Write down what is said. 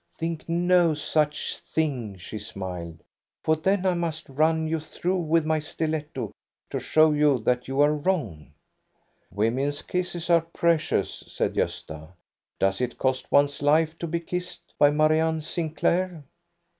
" Think no such thing," she smiled, " for then I must run you through with my stiletto to show you that you are wroi^." " Women's kisses are precious," said Gosta. " Does it cost one's life to be kissed by Marianne Sinclair